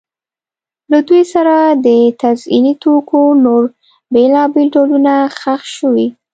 له دوی سره د تزیني توکو نور بېلابېل ډولونه ښخ شوي